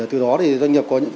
để từ đó thì doanh nghiệp có những